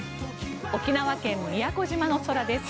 沖縄県・宮古島の空です。